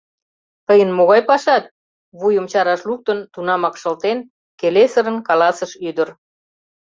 — Тыйын могай пашат? — вуйым чараш луктын, тунамак шылтен, келесырын каласыш ӱдыр.